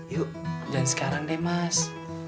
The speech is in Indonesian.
yuk jangan sekarang deh mas